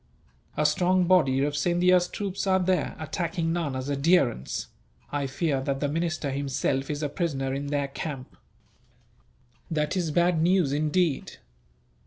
"A strong body of Scindia's troops are there, attacking Nana's adherents. I fear that the minister himself is a prisoner in their camp." "That is bad news, indeed.